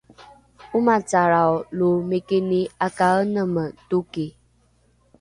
’omacalrao lo mikini ’akaeneme toki